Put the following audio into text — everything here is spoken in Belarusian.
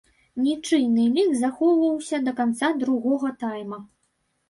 Нічыйны лік захоўваўся да канца другога тайма.